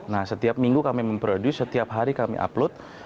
nah setiap minggu kami memproduce setiap hari kami upload